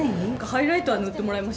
ハイライトは塗ってもらいま